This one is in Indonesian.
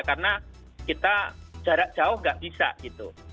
karena kita jarak jauh nggak bisa gitu